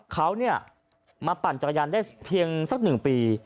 เขามาปั่นจักรยานได้เพียงสัก๑ปี